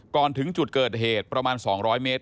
ก่อนถึงจุดเกิดเหตุประมาณ๒๐๐เมตร